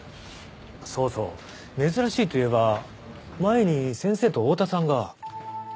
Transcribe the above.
そうそう珍しいといえば前に先生と大多さんが。